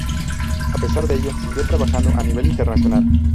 A pesar de ello, siguió trabajando a nivel internacional.